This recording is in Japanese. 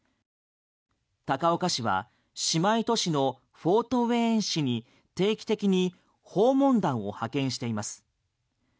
高岡市は姉妹都市のフォートウェーン市に定期的に訪問団を派遣しています。